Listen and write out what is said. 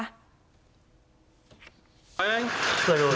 เฮ้ยช่วยดูรถ